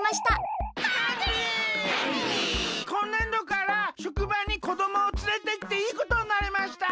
こんねんどからしょくばにこどもをつれてきていいことになりました。